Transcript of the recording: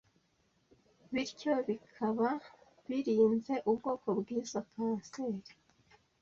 Bityo bikaba birinze ubwoko bw’izo kanseri